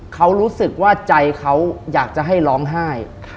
เขารู้สึกว่าใจเขาอยากจะให้ร้องไห้